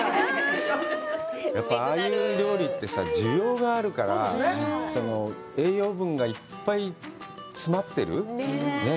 やっぱりああいう料理ってさ、滋養があるから、栄養分がいっぱい詰まってる？ねえ？